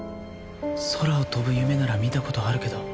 空を飛ぶ夢なら見たことあるけど